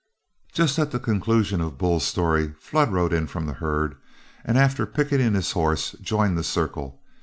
Just at the conclusion of Bull's story, Flood rode in from the herd, and after picketing his horse, joined the circle.